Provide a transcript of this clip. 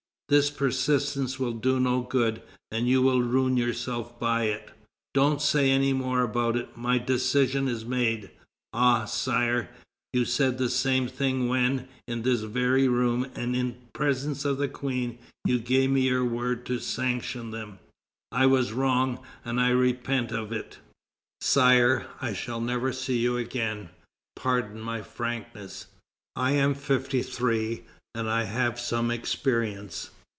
This persistence will do no good, and you will ruin yourself by it." "Don't say any more about it; my decision is made." "Ah! Sire, you said the same thing when, in this very room, and in presence of the Queen, you gave me your word to sanction them." "I was wrong, and I repent of it." "Sire, I shall never see you again; pardon my frankness; I am fifty three, and I have some experience.